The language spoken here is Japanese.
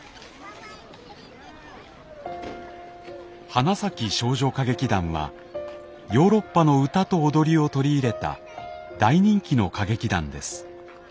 花咲少女歌劇団はヨーロッパの歌と踊りを取り入れた大人気の歌劇団です。